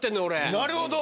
なるほど！